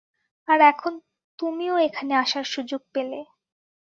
আর এখন তুমিও এখানে আসার সুযোগ পেলে।